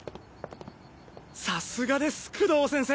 さすがです工藤先生！